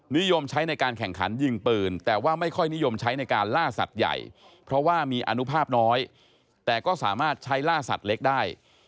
นิยมใช้ในการแข่งขันยิงปืนแต่ว่าไม่ค่อยนิยมใช้ในการล่าสัตว์ใหญ่เพราะว่ามีอนุภาพน้อยแต่ก็สามารถใช้ล่าสัตว์เล็กได้